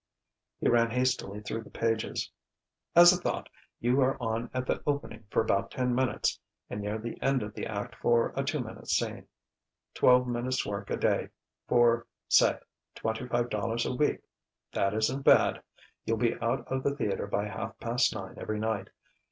He ran hastily through the pages. "As I thought: you are on at the opening for about ten minutes, and near the end of the act for a two minute scene. Twelve minutes' work a day for, say, twenty five dollars a week: that isn't bad. You'll be out of the theatre by half past nine every night....